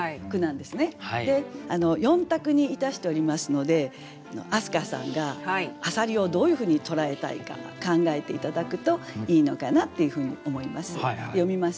で４択にいたしておりますので明日香さんが浅蜊をどういうふうに捉えたいか考えて頂くといいのかなっていうふうに思います。